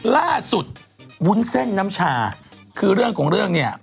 ล่าสุดวุ้นเส้นน้ำชาคือเรื่องของเรื่องเนี่ย